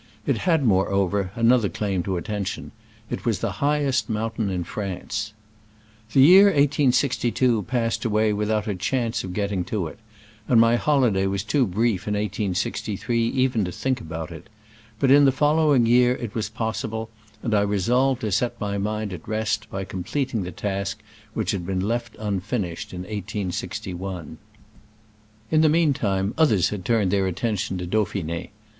It had, moreover, another claim to attention — it was the highest mountain in France. The year 1862 passed away without a chance of getting to it, and my holiday was too brief in 1863 even to think about it ; but in the following year it was pos sible, and I resolved to set my mind at rest by completing the task which had been left unfinished in 186 1. . In the mean time, others had turned their attention to Dauphine.